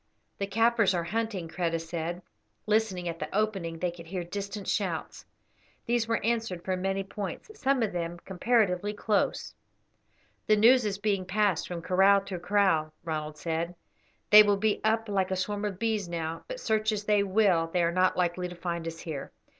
"The Kaffirs are hunting," Kreta said. Listening at the opening they could hear distant shouts. These were answered from many points, some of them comparatively close. "The news is being passed from kraal to kraal," Ronald said; "they will be up like a swarm of bees now, but search as they will they are not likely to find us here.